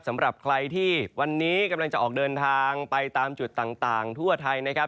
สำหรับใครที่วันนี้กำลังจะออกเดินทางไปตามจุดต่างทั่วไทยนะครับ